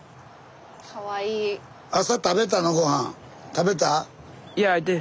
食べた？